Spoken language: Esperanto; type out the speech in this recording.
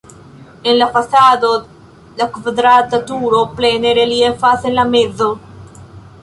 En la fasado la kvadrata turo plene reliefas en la mezo.